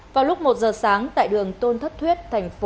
vào lúc một giờ sáng tại đường tuyết